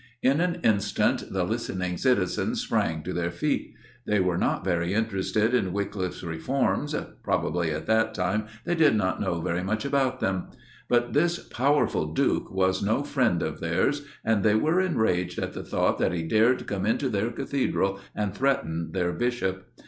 In an instant, the listening citizens sprang to their feet. They were not very interested in Wyclif's reforms probably, at that time, they did not know very much about them but this powerful Duke was no friend of theirs, and they were enraged at the thought that he dared come into their Cathedral and threaten their Bishop.